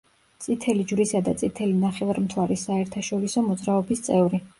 წითელი ჯვრისა და წითელი ნახევარმთვარის საერთაშორისო მოძრაობის წევრი.